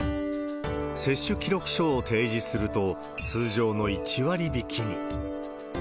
接種記録書を提示すると、通常の１割引きに。